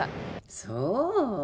そう。